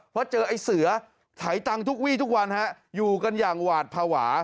เพราะเจอไอ้เสือไถตังค์ทุกวี่ทุกวันฮะอยู่กันอย่างหวาดภาวะ